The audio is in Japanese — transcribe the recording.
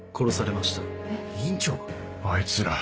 あいつら。